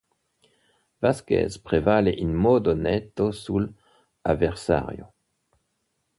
Vázquez prevale in modo netto sull'avversario.